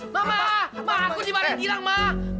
mama aku dimarin kilang ma